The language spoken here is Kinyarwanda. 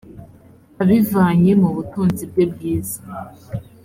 abivanye mu butunzi bwe bwiza